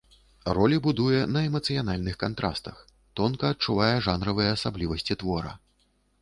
Ролі будуе на эмацыянальных кантрастах, тонка адчувае жанравыя асаблівасці твора.